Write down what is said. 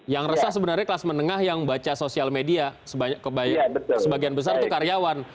yang resah sebenarnya kelas menengah yang baca sosial media sebagian besar itu karyawan